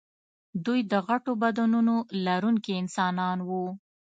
دوی د غټو بدنونو لرونکي انسانان وو.